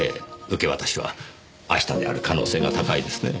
受け渡しは明日である可能性が高いですね。